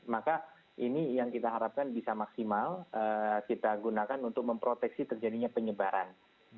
maka ini yang kita harapkan bisa maksimal kita gunakan untuk memproteksi terjadinya penyebaran